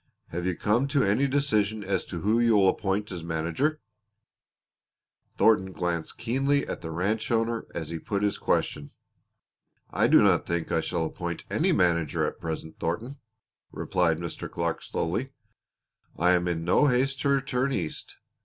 Have you come to any decision as to who you'll appoint as manager?" Thornton glanced keenly at the ranch owner as he put his question. "I do not think I shall appoint any manager at present, Thornton," replied Mr. Clark slowly. "I am in no haste to return East.